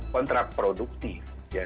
kebijakan yang kontraproduktif